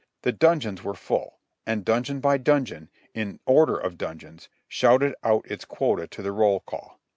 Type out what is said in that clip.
The dungeons were full, and dungeon by dungeon, in order of dungeons, shouted out its quota to the roll call.